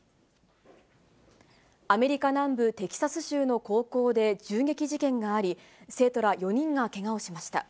アメリカ南部テキサス州の高校で銃撃事件があり、生徒ら４人がけがをしました。